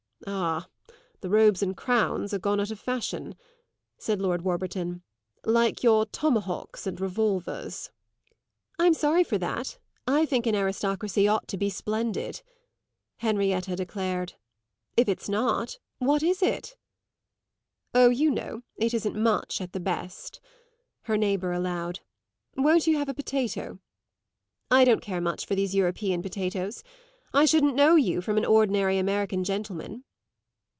"Ah, the robes and crowns are gone out of fashion," said Lord Warburton, "like your tomahawks and revolvers." "I'm sorry for that; I think an aristocracy ought to be splendid," Henrietta declared. "If it's not that, what is it?" "Oh, you know, it isn't much, at the best," her neighbour allowed. "Won't you have a potato?" "I don't care much for these European potatoes. I shouldn't know you from an ordinary American gentleman."